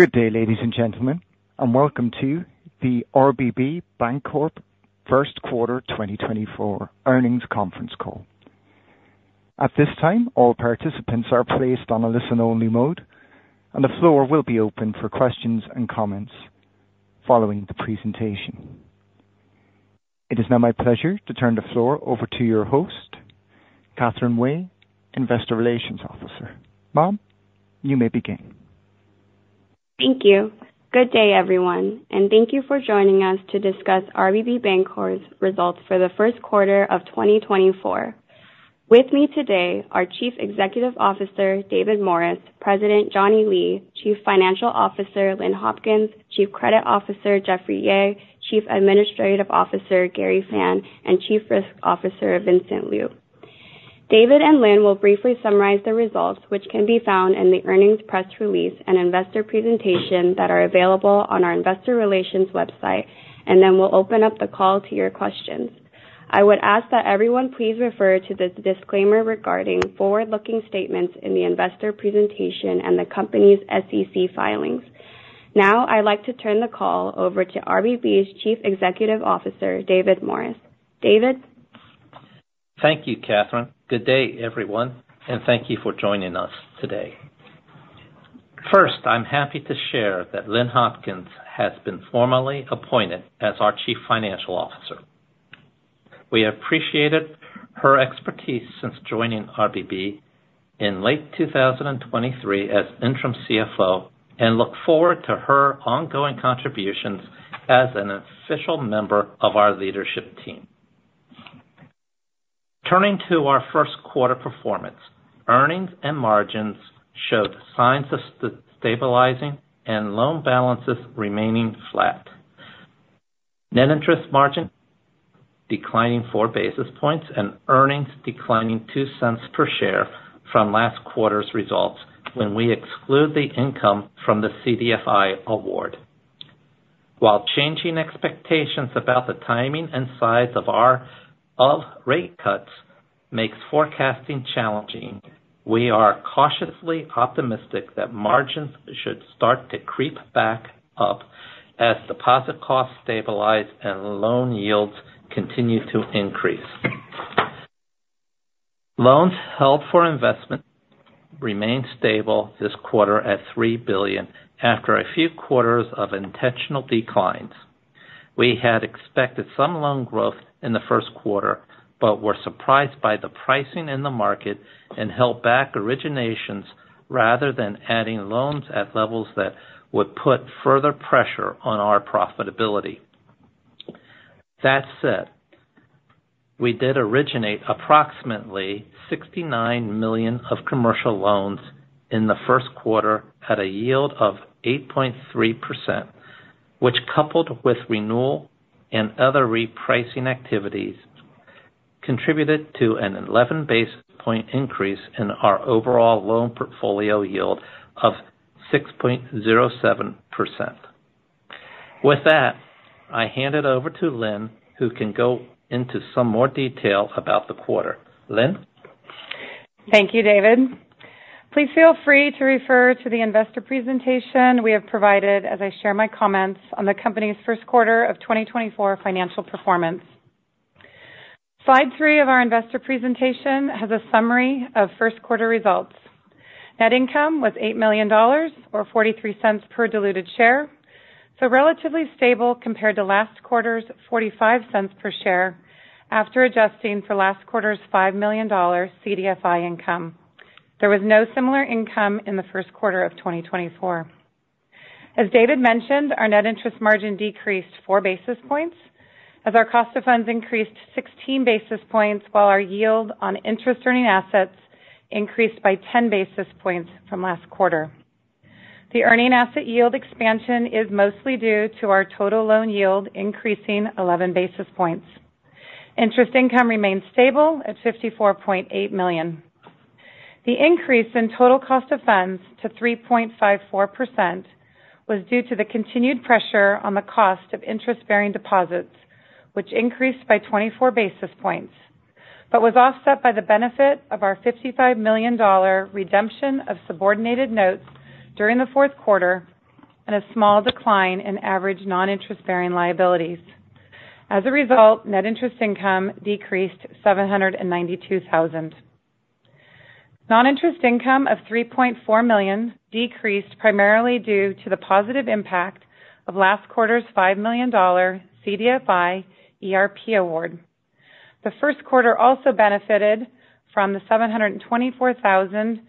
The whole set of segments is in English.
Good day, ladies and gentlemen, and welcome to the RBB Bancorp first quarter 2024 earnings conference call. At this time, all participants are placed on a listen-only mode, and the floor will be open for questions and comments following the presentation. It is now my pleasure to turn the floor over to your host, Catherine Wei, Investor Relations Officer. Ma'am, you may begin. Thank you. Good day, everyone, and thank you for joining us to discuss RBB Bancorp's results for the first quarter of 2024. With me today are Chief Executive Officer David Morris, President Johnny Lee, Chief Financial Officer Lynn Hopkins, Chief Credit Officer Jeffrey Yeh, Chief Administrative Officer Gary Fan, and Chief Risk Officer Vincent Liu. David and Lynn will briefly summarize the results, which can be found in the earnings press release and investor presentation that are available on our Investor Relations website, and then we'll open up the call to your questions. I would ask that everyone please refer to the disclaimer regarding forward-looking statements in the investor presentation and the company's SEC filings. Now I'd like to turn the call over to RBB's Chief Executive Officer David Morris. David? Thank you, Catherine. Good day, everyone, and thank you for joining us today. First, I'm happy to share that Lynn Hopkins has been formally appointed as our Chief Financial Officer. We appreciated her expertise since joining RBB in late 2023 as interim CFO and look forward to her ongoing contributions as an official member of our leadership team. Turning to our first quarter performance, earnings and margins showed signs of stabilizing and loan balances remaining flat. Net interest margin declining 4 basis points and earnings declining $0.02 per share from last quarter's results when we exclude the income from the CDFI award. While changing expectations about the timing and size of our rate cuts makes forecasting challenging, we are cautiously optimistic that margins should start to creep back up as deposit costs stabilize and loan yields continue to increase. Loans held for investment remained stable this quarter at $3 billion after a few quarters of intentional declines. We had expected some loan growth in the first quarter but were surprised by the pricing in the market and held back originations rather than adding loans at levels that would put further pressure on our profitability. That said, we did originate approximately $69 million of commercial loans in the first quarter at a yield of 8.3%, which coupled with renewal and other repricing activities contributed to an 11 basis point increase in our overall loan portfolio yield of 6.07%. With that, I hand it over to Lynn, who can go into some more detail about the quarter. Lynn? Thank you, David. Please feel free to refer to the investor presentation we have provided as I share my comments on the company's first quarter of 2024 financial performance. Slide three of our investor presentation has a summary of first quarter results. Net income was $8 million or $0.43 per diluted share, so relatively stable compared to last quarter's $0.45 per share after adjusting for last quarter's $5 million CDFI income. There was no similar income in the first quarter of 2024. As David mentioned, our net interest margin decreased 4 basis points as our cost of funds increased 16 basis points, while our yield on interest-earning assets increased by 10 basis points from last quarter. The earning asset yield expansion is mostly due to our total loan yield increasing 11 basis points. Interest income remained stable at $54.8 million. The increase in total cost of funds to 3.54% was due to the continued pressure on the cost of interest-bearing deposits, which increased by 24 basis points but was offset by the benefit of our $55 million redemption of subordinated notes during the fourth quarter and a small decline in average non-interest-bearing liabilities. As a result, net interest income decreased $792,000. Non-interest income of $3.4 million decreased primarily due to the positive impact of last quarter's $5 million CDFI ERP award. The first quarter also benefited from the $724,000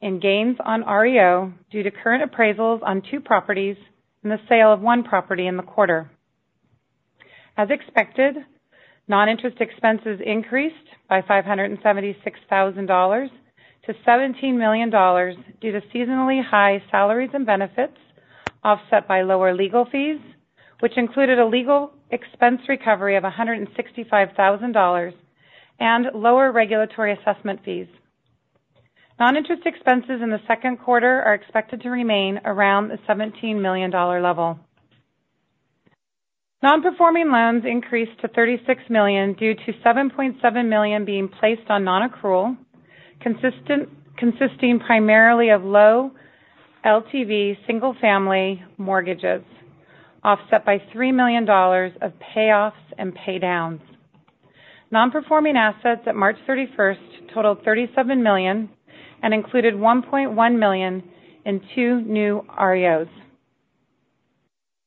in gains on REO due to current appraisals on two properties and the sale of one property in the quarter. As expected, non-interest expenses increased by $576,000 to $17 million due to seasonally high salaries and benefits offset by lower legal fees, which included a legal expense recovery of $165,000 and lower regulatory assessment fees. Non-interest expenses in the second quarter are expected to remain around the $17 million level. Non-performing loans increased to $36 million due to $7.7 million being placed on non-accrual, consisting primarily of low LTV single-family mortgages, offset by $3 million of payoffs and paydowns. Non-performing assets at March 31st totaled $37 million and included $1.1 million in two new REOs.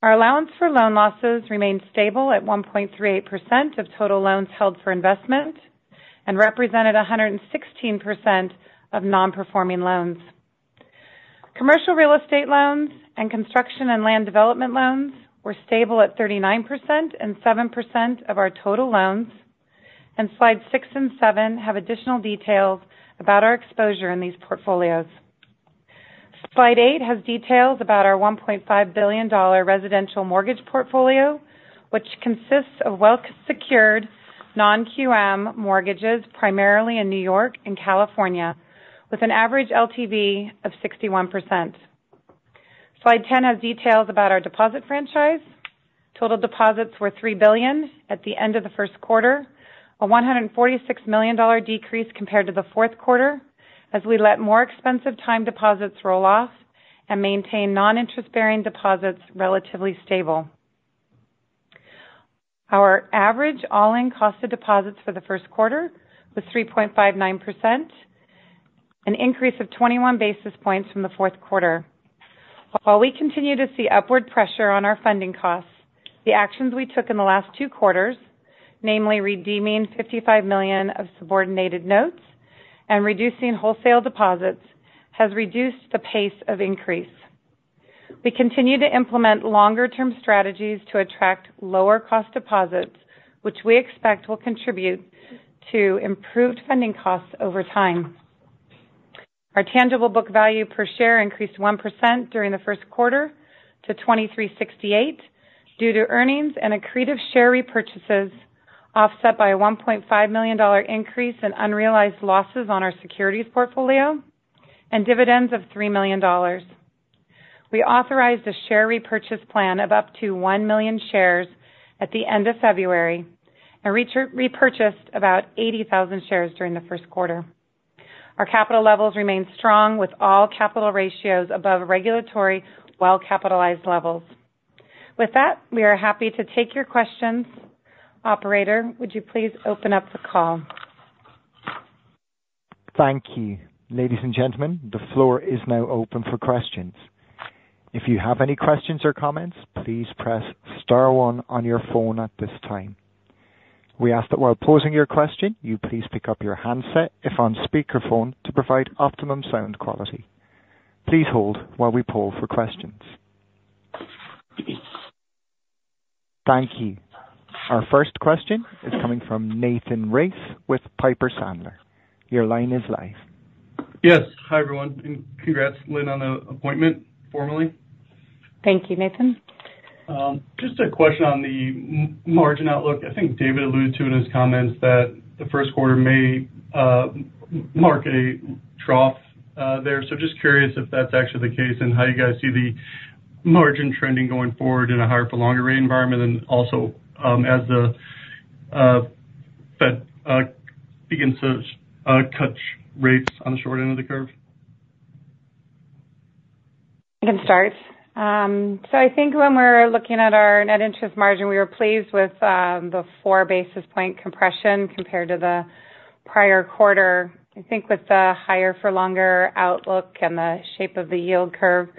Our allowance for loan losses remained stable at 1.38% of total loans held for investment and represented 116% of non-performing loans. Commercial real estate loans and construction and land development loans were stable at 39% and 7% of our total loans, and slides six and seven have additional details about our exposure in these portfolios. Slide 8 has details about our $1.5 billion residential mortgage portfolio, which consists of well-secured non-QM mortgages primarily in New York and California with an average LTV of 61%. Slide 10 has details about our deposit franchise. Total deposits were $3 billion at the end of the first quarter, a $146 million decrease compared to the fourth quarter as we let more expensive time deposits roll off and maintain non-interest-bearing deposits relatively stable. Our average all-in cost of deposits for the first quarter was 3.59%, an increase of 21 basis points from the fourth quarter. While we continue to see upward pressure on our funding costs, the actions we took in the last two quarters, namely redeeming $55 million of subordinated notes and reducing wholesale deposits, have reduced the pace of increase. We continue to implement longer-term strategies to attract lower cost deposits, which we expect will contribute to improved funding costs over time. Our tangible book value per share increased 1% during the first quarter to $2,368 due to earnings and accretive share repurchases offset by a $1.5 million increase in unrealized losses on our securities portfolio and dividends of $3 million. We authorized a share repurchase plan of up to 1 million shares at the end of February and repurchased about 80,000 shares during the first quarter. Our capital levels remain strong with all capital ratios above regulatory well-capitalized levels. With that, we are happy to take your questions. Operator, would you please open up the call? Thank you. Ladies and gentlemen, the floor is now open for questions. If you have any questions or comments, please press star one on your phone at this time. We ask that while posing your question, you please pick up your handset if on speakerphone to provide optimum sound quality. Please hold while we pull for questions. Thank you. Our first question is coming from Nathan Race with Piper Sandler. Your line is live. Yes. Hi, everyone, and congrats, Lynn, on the appointment formally. Thank you, Nathan. Just a question on the margin outlook. I think David alluded to in his comments that the first quarter may mark a trough there, so just curious if that's actually the case and how you guys see the margin trending going forward in a higher-for-longer rate environment and also as the Fed begins to cut rates on the short end of the curve? I can start. So I think when we're looking at our net interest margin, we were pleased with the 4 basis point compression compared to the prior quarter. I think with the higher-for-longer outlook and the shape of the yield curve,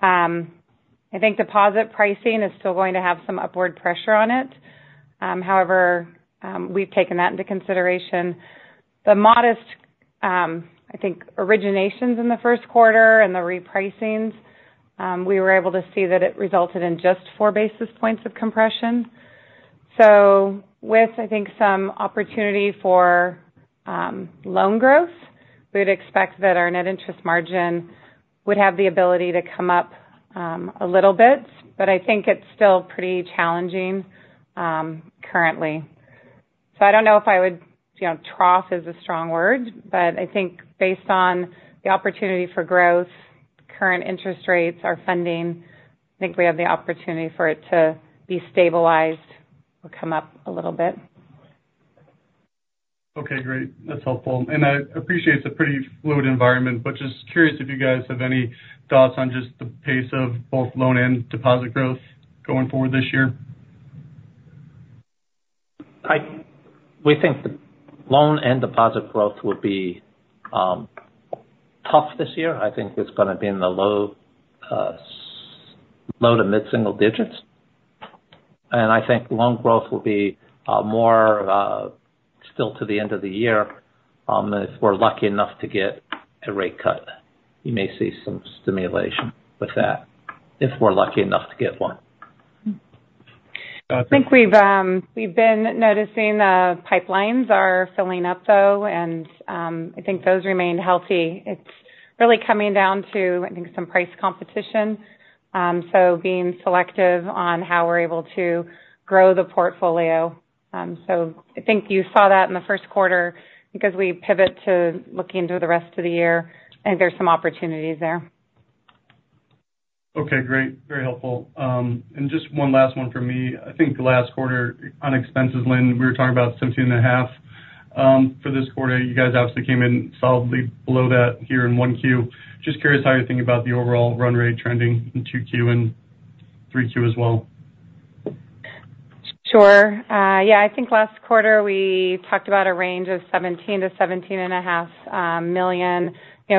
I think deposit pricing is still going to have some upward pressure on it. However, we've taken that into consideration. The modest, I think, originations in the first quarter and the repricings, we were able to see that it resulted in just 4 basis points of compression. So with, I think, some opportunity for loan growth, we would expect that our net interest margin would have the ability to come up a little bit, but I think it's still pretty challenging currently. I don't know if I would trough is a strong word, but I think, based on the opportunity for growth, current interest rates, our funding, I think we have the opportunity for it to be stabilized or come up a little bit. Okay. Great. That's helpful. And I appreciate it's a pretty fluid environment, but just curious if you guys have any thoughts on just the pace of both loan and deposit growth going forward this year? We think the loan and deposit growth will be tough this year. I think it's going to be in the low to mid-single digits. I think loan growth will be more still to the end of the year if we're lucky enough to get a rate cut. You may see some stimulation with that if we're lucky enough to get one. I think we've been noticing the pipelines are filling up, though, and I think those remain healthy. It's really coming down to, I think, some price competition, so being selective on how we're able to grow the portfolio. So I think you saw that in the first quarter. I think as we pivot to looking through the rest of the year, I think there's some opportunities there. Okay. Great. Very helpful. Just one last one from me. I think last quarter, on expenses, Lynn, we were talking about $17.5. For this quarter, you guys obviously came in solidly below that here in 1Q. Just curious how you're thinking about the overall run rate trending in 2Q and 3Q as well. Sure. Yeah. I think last quarter, we talked about a range of $17 million-$17.5 million.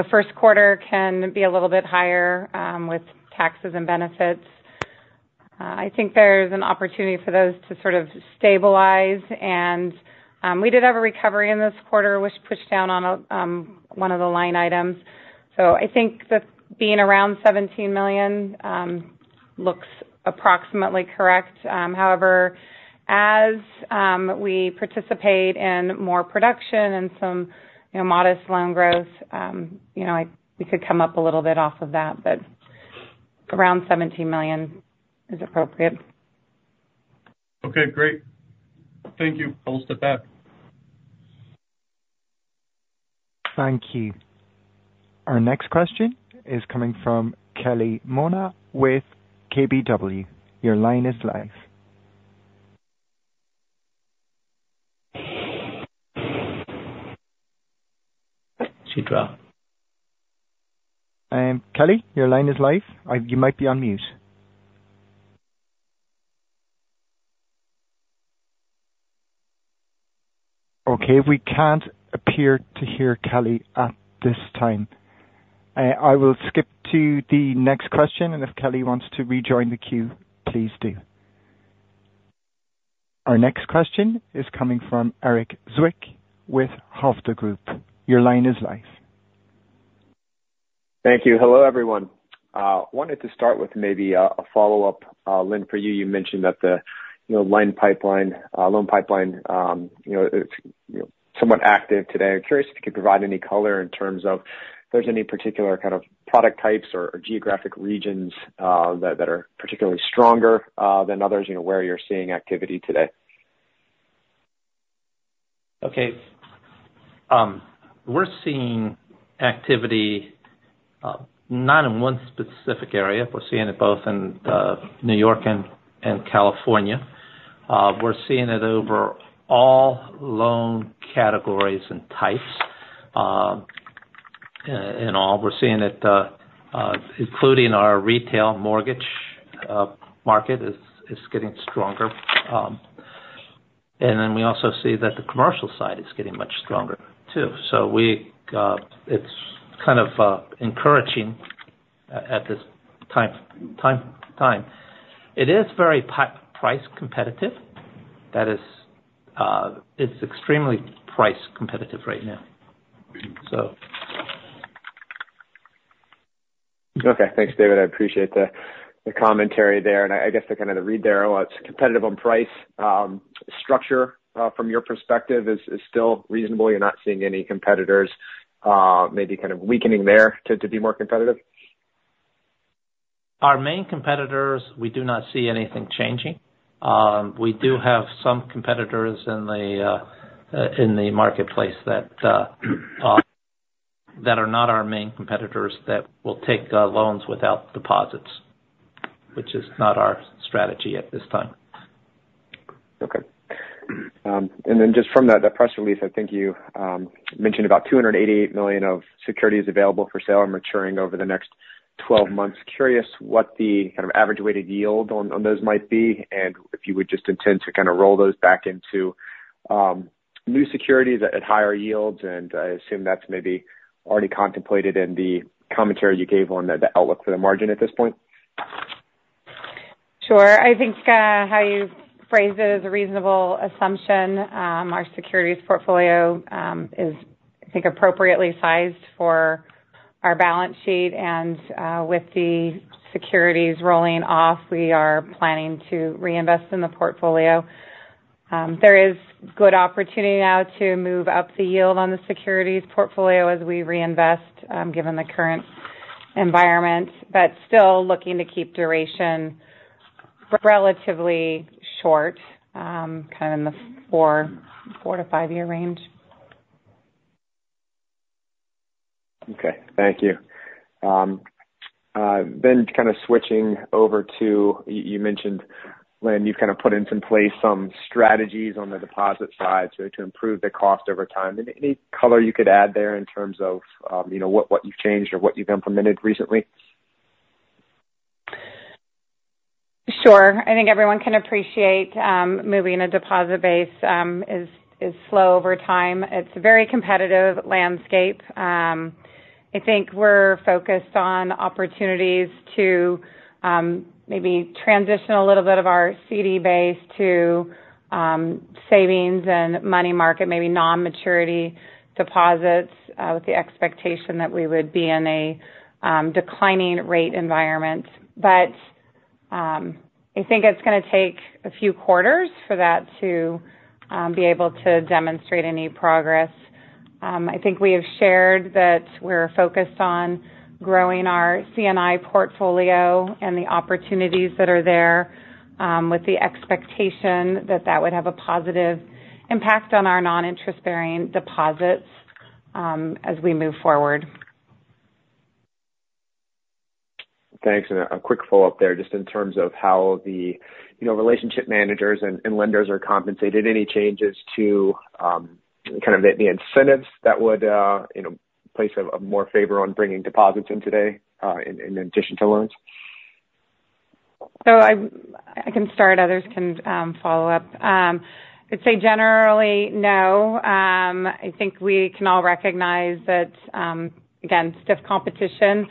First quarter can be a little bit higher with taxes and benefits. I think there's an opportunity for those to sort of stabilize. And we did have a recovery in this quarter, which pushed down on one of the line items. So I think being around $17 million looks approximately correct. However, as we participate in more production and some modest loan growth, we could come up a little bit off of that, but around $17 million is appropriate. Okay. Great. Thank you. I'll step back. Thank you. Our next question is coming from Kelly Motta with KBW. Your line is live. She dropped. Kelly, your line is live. You might be on mute. Okay. We can't appear to hear Kelly at this time. I will skip to the next question, and if Kelly wants to rejoin the Q, please do. Our next question is coming from Eric Zwick with Hovde Group. Your line is live. Thank you. Hello, everyone. Wanted to start with maybe a follow-up, Lynn, for you. You mentioned that the line pipeline, loan pipeline, it's somewhat active today. I'm curious if you could provide any color in terms of if there's any particular kind of product types or geographic regions that are particularly stronger than others, where you're seeing activity today? Okay. We're seeing activity not in one specific area. We're seeing it both in New York and California. We're seeing it over all loan categories and types in all. We're seeing it including our retail mortgage market is getting stronger. And then we also see that the commercial side is getting much stronger too. So it's kind of encouraging at this time. It is very price competitive. It's extremely price competitive right now, so. Okay. Thanks, David. I appreciate the commentary there. I guess to kind of read there, it's competitive on price. Structure from your perspective is still reasonable. You're not seeing any competitors maybe kind of weakening there to be more competitive? Our main competitors, we do not see anything changing. We do have some competitors in the marketplace that are not our main competitors that will take loans without deposits, which is not our strategy at this time. Okay. And then just from that press release, I think you mentioned about $288 million of securities available for sale and maturing over the next 12 months. Curious what the kind of average weighted yield on those might be and if you would just intend to kind of roll those back into new securities at higher yields. And I assume that's maybe already contemplated in the commentary you gave on the outlook for the margin at this point. Sure. I think how you phrase it is a reasonable assumption. Our securities portfolio is, I think, appropriately sized for our balance sheet. With the securities rolling off, we are planning to reinvest in the portfolio. There is good opportunity now to move up the yield on the securities portfolio as we reinvest given the current environment, but still looking to keep duration relatively short, kind of in the 4-five-year range. Okay. Thank you. Then kind of switching over to you mentioned, Lynn, you've kind of put in place some strategies on the deposit side to improve the cost over time. Any color you could add there in terms of what you've changed or what you've implemented recently? Sure. I think everyone can appreciate moving a deposit base is slow over time. It's a very competitive landscape. I think we're focused on opportunities to maybe transition a little bit of our CD base to savings and money market, maybe non-maturity deposits with the expectation that we would be in a declining rate environment. But I think it's going to take a few quarters for that to be able to demonstrate any progress. I think we have shared that we're focused on growing our C&I portfolio and the opportunities that are there with the expectation that that would have a positive impact on our non-interest-bearing deposits as we move forward. Thanks. And a quick follow-up there just in terms of how the relationship managers and lenders are compensated. Any changes to kind of the incentives that would place a more favor on bringing deposits in today in addition to loans? I can start. Others can follow up. I'd say generally, no. I think we can all recognize that, again, stiff competition.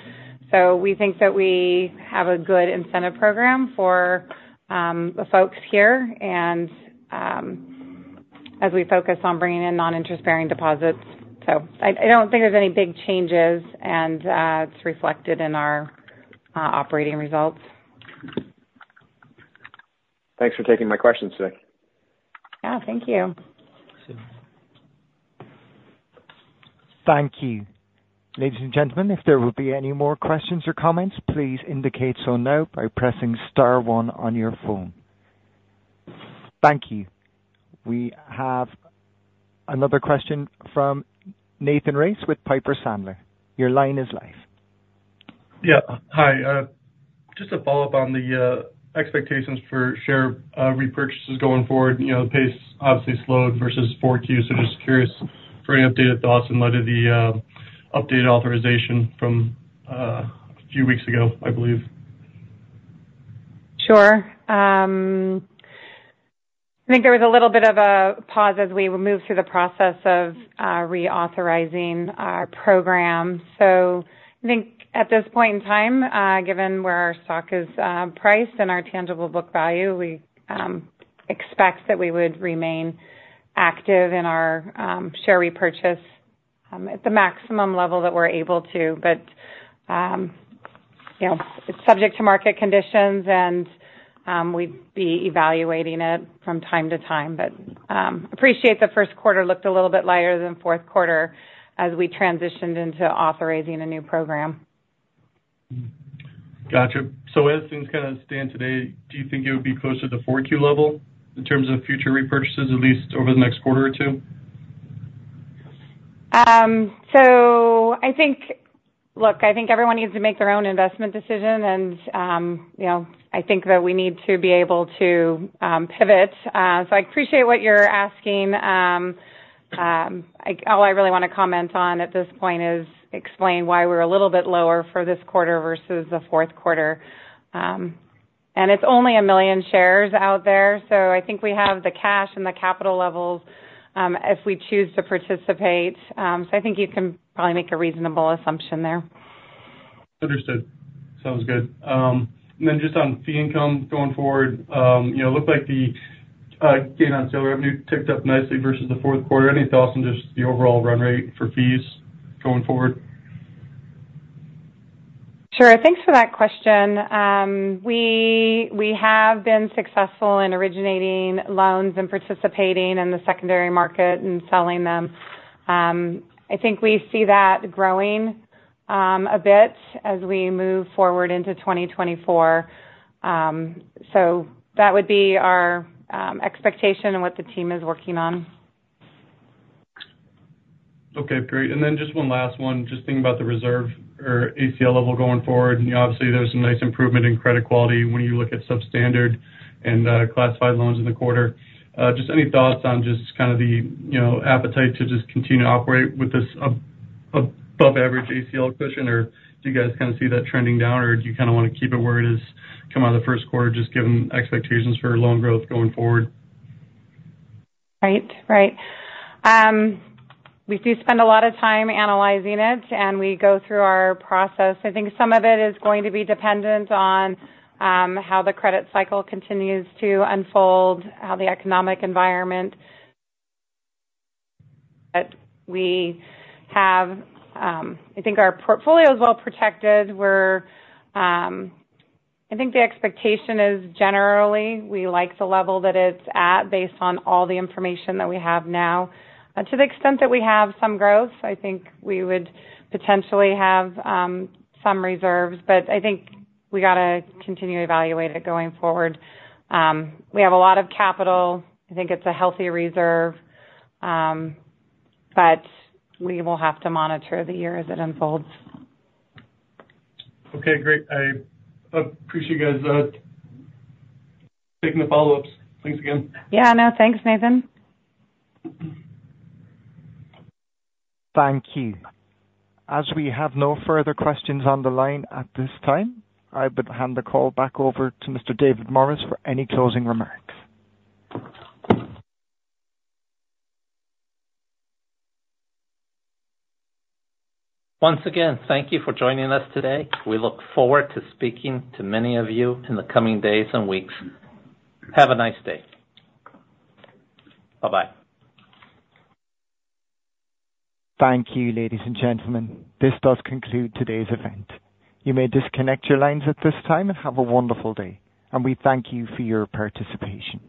So we think that we have a good incentive program for the folks here as we focus on bringing in non-interest-bearing deposits. So I don't think there's any big changes, and it's reflected in our operating results. Thanks for taking my questions today. Yeah. Thank you. Thank you. Ladies and gentlemen, if there would be any more questions or comments, please indicate so now by pressing star one on your phone. Thank you. We have another question from Nathan Race with Piper Sandler. Your line is live. Yeah. Hi. Just a follow-up on the expectations for share repurchases going forward. The pace obviously slowed versus 4Q, so just curious for any updated thoughts in light of the updated authorization from a few weeks ago, I believe. Sure. I think there was a little bit of a pause as we moved through the process of reauthorizing our program. So I think at this point in time, given where our stock is priced and our tangible book value, we expect that we would remain active in our share repurchase at the maximum level that we're able to. But it's subject to market conditions, and we'd be evaluating it from time to time. But I appreciate the first quarter looked a little bit lighter than fourth quarter as we transitioned into authorizing a new program. Gotcha. As things kind of stand today, do you think it would be closer to the 4Q level in terms of future repurchases, at least over the next quarter or two? So, look, I think everyone needs to make their own investment decision, and I think that we need to be able to pivot. So I appreciate what you're asking. All I really want to comment on at this point is explain why we're a little bit lower for this quarter versus the fourth quarter. It's only 1 million shares out there, so I think we have the cash and the capital levels if we choose to participate. So I think you can probably make a reasonable assumption there. Understood. Sounds good. And then just on fee income going forward, it looked like the gain on sale revenue ticked up nicely versus the fourth quarter. Any thoughts on just the overall run rate for fees going forward? Sure. Thanks for that question. We have been successful in originating loans and participating in the secondary market and selling them. I think we see that growing a bit as we move forward into 2024. That would be our expectation and what the team is working on. Okay. Great. And then just one last one, just thinking about the reserve or ACL level going forward. Obviously, there's some nice improvement in credit quality when you look at substandard and classified loans in the quarter. Just any thoughts on just kind of the appetite to just continue to operate with this above-average ACL question, or do you guys kind of see that trending down, or do you kind of want to keep it where it is coming out of the first quarter just given expectations for loan growth going forward? Right. Right. We do spend a lot of time analyzing it, and we go through our process. I think some of it is going to be dependent on how the credit cycle continues to unfold, how the economic environment. But I think our portfolio is well protected. I think the expectation is generally, we like the level that it's at based on all the information that we have now. To the extent that we have some growth, I think we would potentially have some reserves, but I think we got to continue to evaluate it going forward. We have a lot of capital. I think it's a healthy reserve, but we will have to monitor the year as it unfolds. Okay. Great. I appreciate you guys taking the follow-ups. Thanks again. Yeah. No. Thanks, Nathan. Thank you. As we have no further questions on the line at this time, I would hand the call back over to Mr. David Morris for any closing remarks. Once again, thank you for joining us today. We look forward to speaking to many of you in the coming days and weeks. Have a nice day. Bye-bye. Thank you, ladies and gentlemen. This does conclude today's event. You may disconnect your lines at this time and have a wonderful day. And we thank you for your participation.